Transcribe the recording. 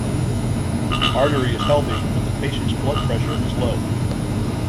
The artery is healthy but the patient's blood pressure is low.